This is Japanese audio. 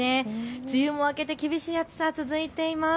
梅雨も明けて厳しい暑さ、続いてます。